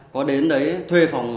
có đến đấy thuê phòng